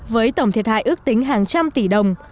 với tổng thiệt hại ước tính hàng trăm tỷ đồng